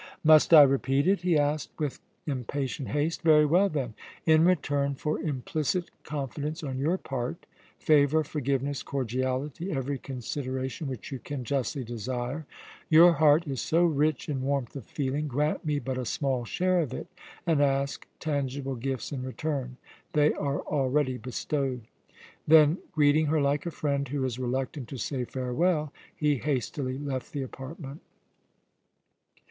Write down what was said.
"Must I repeat it?" he asked with impatient haste. "Very well, then. In return for implicit confidence on your part, favour, forgiveness, cordiality, every consideration which you can justly desire. Your heart is so rich in warmth of feeling, grant me but a small share of it and ask tangible gifts in return. They are already bestowed." Then greeting her like a friend who is reluctant to say farewell, he hastily left the apartment.